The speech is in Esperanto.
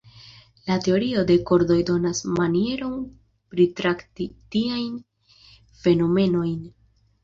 La Teorio de kordoj donas manieron pritrakti tiajn fenomenojn.